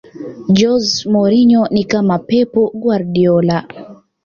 jose mourinho ni kama pep guardiola